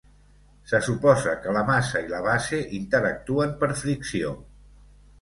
Se suposa que la massa i la base interactuen per fricció.